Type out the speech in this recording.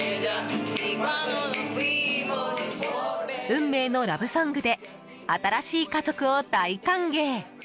運命のラブソングで新しい家族を大歓迎。